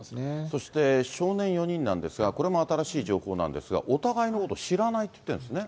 そして少年４人なんですが、これも新しい情報なんですが、お互いのこと知らないって言ってるんですね。